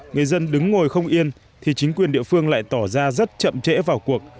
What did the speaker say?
người dân đứng ngồi không yên thì chính quyền địa phương lại tỏ ra rất chậm trễ vào cuộc